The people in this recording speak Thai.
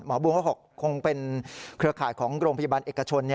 บูมก็คงเป็นเครือข่ายของโรงพยาบาลเอกชน